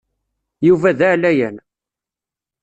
Yuba d aɛlayan.